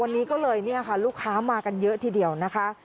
วันนี้ก็เลยเนี่ยค่ะลูกค้ามากันเยอะทีเดียวนะคะ